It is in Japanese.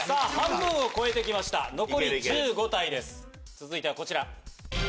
続いてはこちら。